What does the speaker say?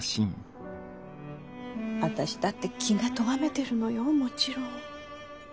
私だって気がとがめてるのよもちろん。